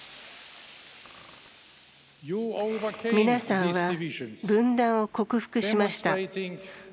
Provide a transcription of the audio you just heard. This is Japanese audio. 皆さんは、分断を克服しました。